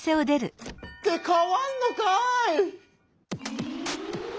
ってかわんのかい！